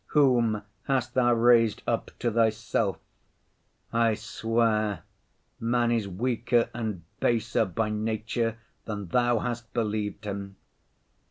Whom hast Thou raised up to Thyself? I swear, man is weaker and baser by nature than Thou hast believed him!